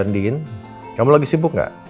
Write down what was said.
dingin kamu lagi sibuk gak